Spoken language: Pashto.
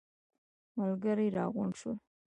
ملګري راغونډ شول.